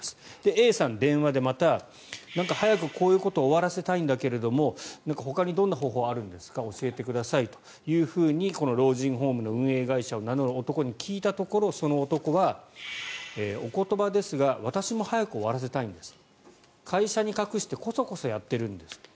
Ａさん、電話でまた早くこういうことを終わらせたいんだけれどもほかにどんな方法あるんですか教えてくださいというふうにこの老人ホームの運営会社を名乗る男に聞いたところその男は、お言葉ですが私も早く終わらせたいんですと会社に隠してこそこそやってるんです。